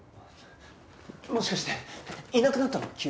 もしかしていなくなったの？